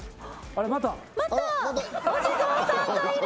またお地蔵さんがいる！